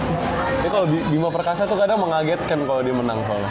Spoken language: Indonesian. tapi kalau bima perkasa tuh kadang mengaget kan kalau dia menang soalnya